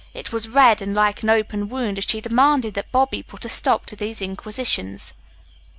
It was red and like an open wound as she demanded that Bobby put a stop to these inquisitions.